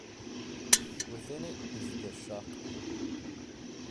Within it is the chakra.